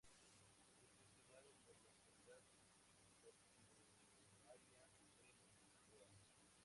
Es gestionado por la Autoridad Portuaria de Montreal.